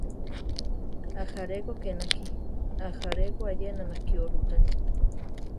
Ajaré ko ké nakí; ajaré ko ayena nakió rucháni.